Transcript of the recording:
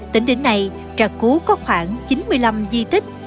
tỉnh đỉnh này trà cú có khoảng chín mươi năm di tích